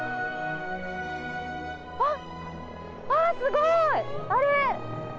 あ！あっ、すごい、あれ！